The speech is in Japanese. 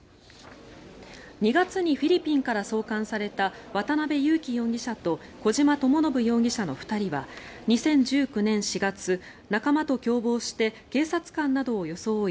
２月にフィリピンから送還された渡邉優樹容疑者と小島智信容疑者の２人は２０１９年４月、仲間と共謀して警察官などを装い